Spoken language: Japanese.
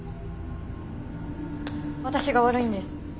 私が悪いんです。